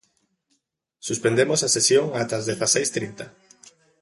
Suspendemos á sesión ata as dezaseis trinta.